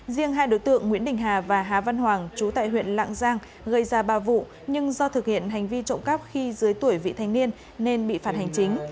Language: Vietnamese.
riêng hai đối tượng nguyễn đình hà và hà văn hoàng chú tại huyện lạng giang gây ra ba vụ nhưng do thực hiện hành vi trộm cắp khi dưới tuổi vị thanh niên nên bị phạt hành chính